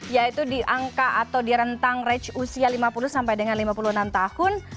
yaitu di angka atau di rentang range usia lima puluh sampai dengan lima puluh enam tahun